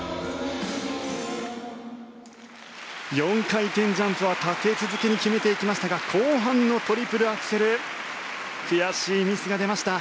４回転ジャンプは立て続けに決めていきましたが後半のトリプルアクセル悔しいミスが出ました。